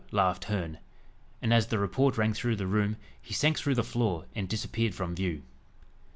laughed Herne. And as the report rang through the room, he sank through the floor, and disappeared from view.